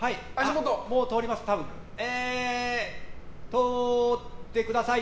通ってください！